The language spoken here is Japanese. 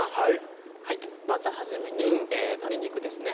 まず初めに鶏肉ですね